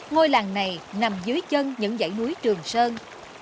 ngôi làng này nằm dưới chân những dãy núi trường sơn